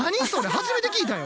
初めて聞いたよ。